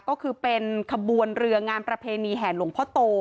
ก็คือเป็นขบวนเรืองานประเพณีแห่หลวงพ่อโต